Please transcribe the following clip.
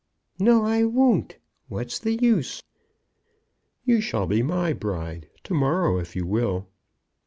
"No; I won't. What's the use?" "You shall be my bride; to morrow if you will."